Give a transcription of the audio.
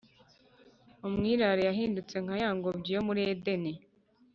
umwirare cyahindutse nka ya ngobyi yo muri Edeni